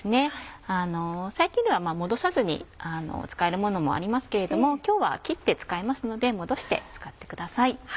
最近ではもどさずに使えるものもありますけれども今日は切って使いますのでもどして使ってください。